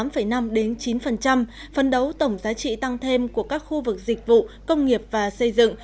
phấn đấu tổng giá trị tăng thêm của các khu vực dịch vụ công nghiệp và xây dựng